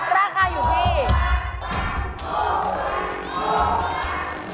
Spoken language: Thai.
ราคาอยู่ที่